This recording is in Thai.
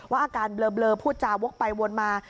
อาการเบลอพูดจาวกไปวนมา